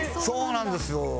そうなんですよ。